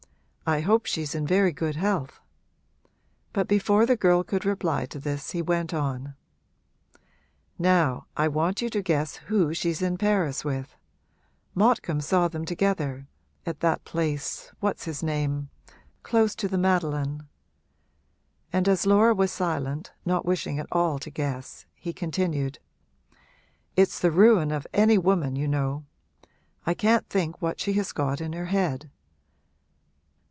I hope she's in very good health.' But before the girl could reply to this he went on: 'Now, I want you to guess who she's in Paris with. Motcomb saw them together at that place, what's his name? close to the Madeleine.' And as Laura was silent, not wishing at all to guess, he continued 'It's the ruin of any woman, you know; I can't think what she has got in her head.'